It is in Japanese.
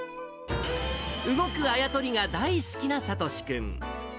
動くあや取りが大好きな聡志君。